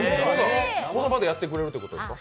この場でやってくれるってことですか。